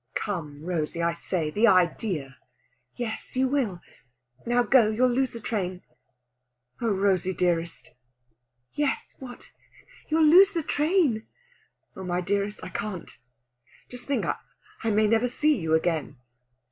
"Come, Rosey, I say! The idea!" "Yes, you will! Now go! You'll lose the train." "Oh, Rosey dearest!" "Yes, what? you'll lose the train." "Oh, my dearest, I can't! Just think I may never see you again!"